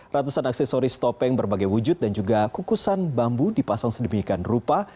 ratusan aksesoris topeng berbagai wujud dan juga kukusan bambu dipasang sedemikian rupa